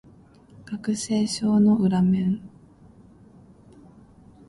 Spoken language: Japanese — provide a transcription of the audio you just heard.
学生証の裏面